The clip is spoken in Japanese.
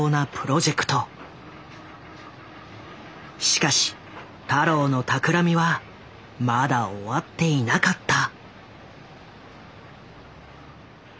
しかし太郎の企みはまだ終わっていなかった。